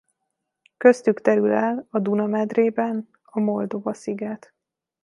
Köztük terül el a Duna medrében a Moldova-sziget.